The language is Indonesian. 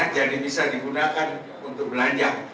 jadi bisa digunakan untuk belanja